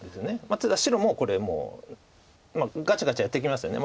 ただ白もこれガチャガチャやっていきますよね。